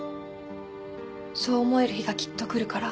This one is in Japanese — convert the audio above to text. そう思える日がきっと来るから。